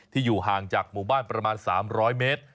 อยู่ห่างจากหมู่บ้านประมาณ๓๐๐เมตร